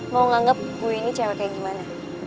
mau nganggep gue ini cewek kayak gimana